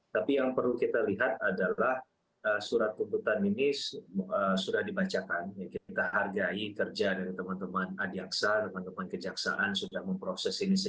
tapi yang perlu kita lihat adalah surat tuntutan ini sudah dibacakan kita hargai kerja dari teman teman adiaksa teman teman kejaksaan sudah memproses ini